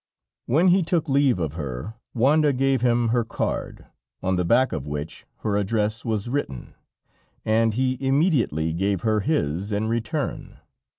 When he took leave of her, Wanda gave him her card, on the back of which her address was written, and he immediately gave her his in return.